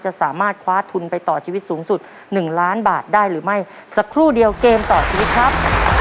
จะสามารถคว้าทุนไปต่อชีวิตสูงสุด๑ล้านบาทได้หรือไม่สักครู่เดียวเกมต่อชีวิตครับ